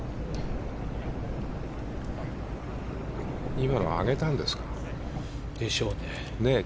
今のは上げたんですかね。でしょうね。